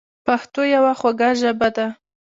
پښتو یوه خوږه ژبه ده.